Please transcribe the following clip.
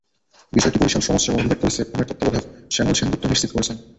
বিষয়টি বরিশাল সমাজসেবা অধিদপ্তরের সেফ হোমের তত্ত্বাবধায়ক শ্যামল সেন গুপ্ত নিশ্চিত করেছেন।